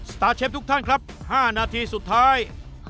ตาร์เชฟทุกท่านครับ๕นาทีสุดท้าย